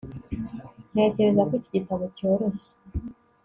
Ntekereza ko iki gitabo cyoroshye